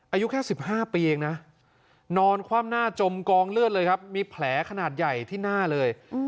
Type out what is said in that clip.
อายุแค่๑๕ปีเองนะนอนคว่ำหน้าจมกองเลือดเลยครับมีแผลขนาดใหญ่ที่หน้าเลย